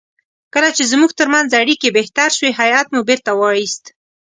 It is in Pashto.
کله چې زموږ ترمنځ اړیکې بهتر شوې هیات مو بیرته وایست.